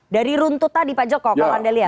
dari runtutan di pak joko kalau anda lihat